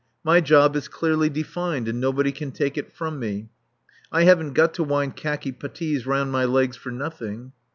My job is clearly defined, and nobody can take it from me. I haven't got to wind khaki putties round my legs for nothing.